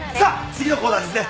次のコーナーですね。